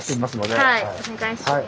はいお願いします。